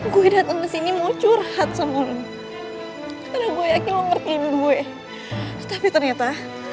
gue datang ke sini mau curhat sama lu karena gue yakin ngerti gue tapi ternyata